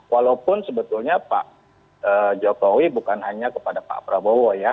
walaupun sebetulnya pak jokowi bukan hanya kepada pak prabowo ya